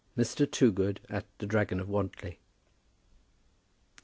MR. TOOGOOD AT "THE DRAGON OF WANTLY."